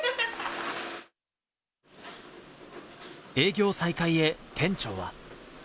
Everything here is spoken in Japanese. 営業再開へ店長は。